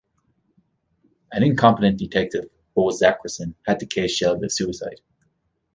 An incompetent detective, Bo Zachrisson, had the case shelved as suicide.